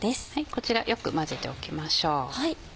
こちらよく混ぜておきましょう。